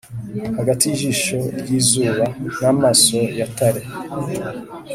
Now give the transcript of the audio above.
hagati y'ijisho ry'izuba n'amaso ya tale,